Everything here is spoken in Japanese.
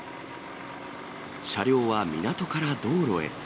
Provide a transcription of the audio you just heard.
車両は港から道路へ。